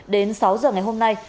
đến sáu h ngày hôm nay